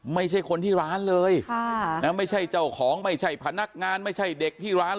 ไม่ใช่คนที่ร้านเลยไม่ใช่เจ้าของไม่ใช่พนักงานไม่ใช่เด็กที่ร้าน